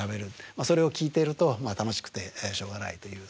それを聞いていると楽しくてしょうがないという。